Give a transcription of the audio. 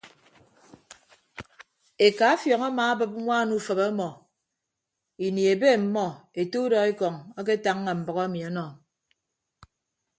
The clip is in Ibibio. Eka afiọñ amaabịp ñwaan ufịp ọmọ ini ebe ọmmọ ete udọekọñ aketañña mbʌk emi ọnọ.